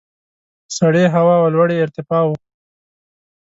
سړې هوا او لوړې ارتفاع وو.